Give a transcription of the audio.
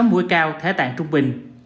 sáu mũi cao thế tạng trung bình